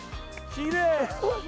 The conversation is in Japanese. きれい。